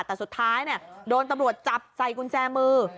แต่สุดท้ายโดนตำรวจจับใส่กุญแจมือ